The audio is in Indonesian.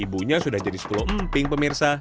ibunya sudah jadi sepuluh emping pemirsa